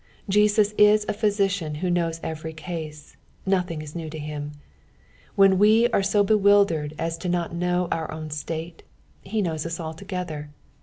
Jesus is a physician who knows every case ; nothing is new to him. When we are so bewildered as not to know our own state, he knows us altogether.